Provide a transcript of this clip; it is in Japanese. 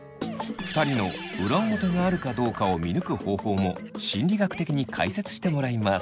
２人の裏表があるかどうかを見抜く方法も心理学的に解説してもらいます。